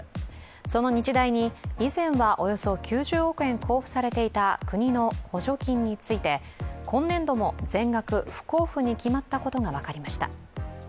その日大に、以前はおよそ９０億円交付されていた国の補助金について今年度も全額不交付に決まったことが分かりました。